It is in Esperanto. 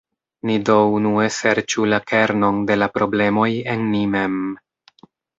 Ni do unue serĉu la kernon de la problemoj en ni mem.